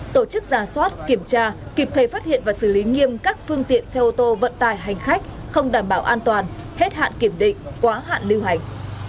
tổ chức giả soát kiểm tra kịp thời phát hiện và xử lý nghiêm các phương tiện xe ô tô vận tải hành khách không đảm bảo an toàn hết hạn kiểm định quá hạn lưu hành